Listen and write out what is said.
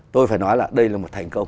tôi phải nói là đây là một thành công